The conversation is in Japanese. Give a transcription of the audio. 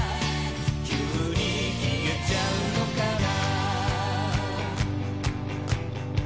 「急に消えちゃうのかな？」